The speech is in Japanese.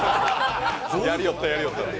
やりよった、やりよったって？